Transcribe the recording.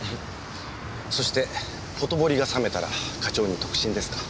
そしてほとぼりが冷めたら課長に特進ですか？